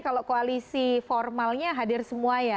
kalau koalisi formalnya hadir semua ya